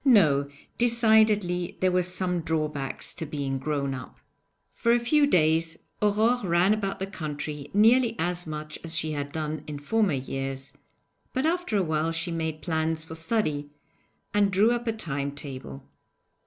No; decidedly there were some drawbacks to being 'grown up'! For a few days Aurore ran about the country nearly as much as she had done in former years, but after a while she made plans for study, and drew up a time table.